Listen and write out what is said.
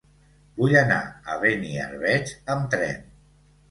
Vull anar a Beniarbeig amb tren.